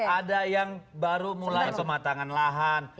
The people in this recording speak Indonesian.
ada yang baru mulai langsung matangan lahan